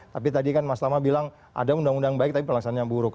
tapi tadi kan mas lama bilang ada undang undang baik tapi pelaksanaan buruk